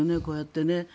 こうやって。